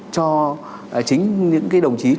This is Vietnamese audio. cho chính những cái đồng chí chủ tịch